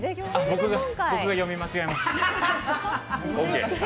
僕が読み間違えました。